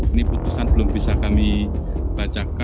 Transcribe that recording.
ini putusan belum bisa kami bacakan